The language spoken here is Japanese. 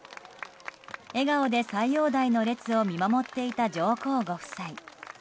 笑顔で斎王代の列を見守っていた上皇ご夫妻。